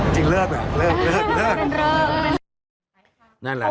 จริงเลิกเหรอ